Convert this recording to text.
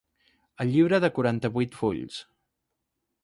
El llibre de quaranta-vuit fulls.